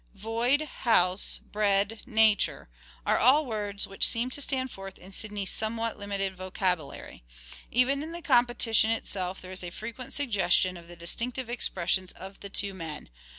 " Void," " House," " Bred," " Nature," are all words which seem to stand forth in Sidney's somewhat limited vocabulary. Even in the competition itself there is a frequent suggestion of the distinctive expressions of the two men.